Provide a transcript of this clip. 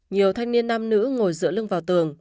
nhiều thanh niên nam nữ ngồi giữa lưng vào tường